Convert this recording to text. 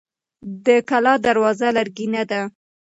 د کلا دروازه لرګینه ده.